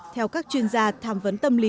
theo các chuyên gia tham vấn tâm lý